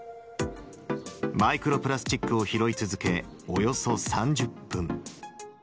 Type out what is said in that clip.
マイクロプラスチックを拾い続け、およそ３０分。